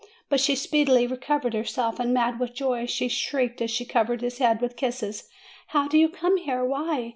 But she speedily recovered herself, and mad with joy, she shrieked as she covered his head with kisses : 'How do you come here? Why?